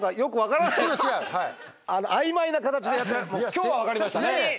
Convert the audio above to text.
今日は分かりましたね。